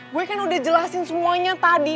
gue kan udah jelasin semuanya tadi